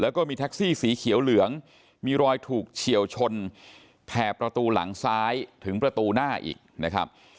แล้วก็มีแท็กซี่สีเขียวเหลืองมีรอยถูกเฉียวชนแถบประตูหลังซ้ายถึงประตูหน้าอีกนะครับ